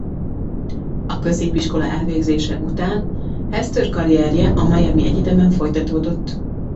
A középiskola elvégzése után Hester karrierje a Miami egyetemen folytatódott.